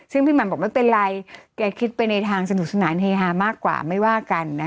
ซึ่งพี่หม่ำบอกไม่เป็นไรแกคิดไปในทางสนุกสนานเฮฮามากกว่าไม่ว่ากันนะ